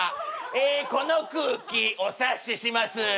「えーこの空気お察しします」んん！